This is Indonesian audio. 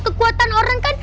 kekuatan orang kan